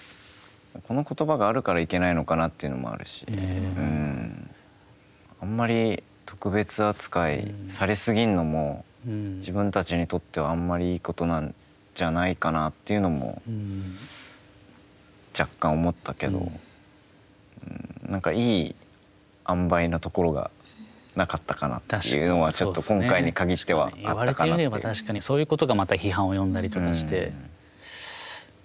このことばがあるからいけないのかなというのもあるしあんまり特別扱いされ過ぎるのも自分たちにとってはあんまりいいことなんじゃないかなというのも若干、思ったけど、なんか、いいあんばいなところがなかったかなというのがちょっと確かに、言われてみればそういうことが批判を呼んだりとかして。